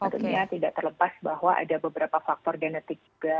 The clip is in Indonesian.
tentunya tidak terlepas bahwa ada beberapa faktor genetik juga